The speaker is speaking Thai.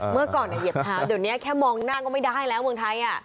เมื่อก่อนเหยียบเท้าเดี๋ยวนี้แค่มองหน้าก็ไม่ได้แล้วเมืองไทย